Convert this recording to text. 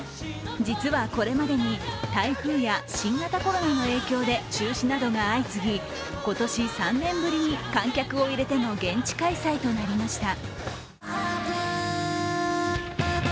実はこれまでに台風や新型コロナの影響で中止などが相次ぎ、今年３年ぶりに観客を入れての現地開催となりました。